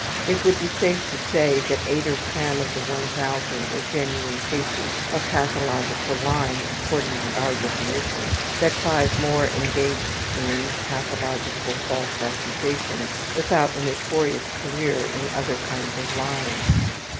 It would be safe to say that 8 or 10 of the 1000 were genuine cases of pathological lying according to our definition, that 5 more engaged in pathological false accusations without a notorious career in other kinds of lying.